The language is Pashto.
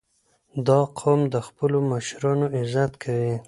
• دا قوم د خپلو مشرانو عزت کوي.